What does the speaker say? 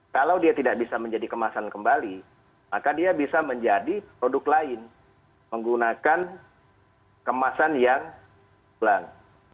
kalau dia tidak bisa menjadi kemasan kembali maka dia bisa menjadi produk lain menggunakan kemasan yang ulang